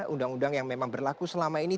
undang undang yang memang berlaku selama ini